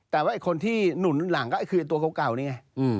แต่ว่าคนที่หนุนหลังก็คือตัวเก่านี่ไง